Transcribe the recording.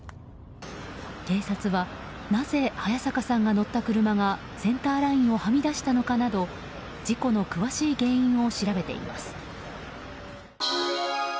警察はなぜ早坂さんが乗った車がセンターラインをはみ出したのかなど事故の詳しい原因を調べています。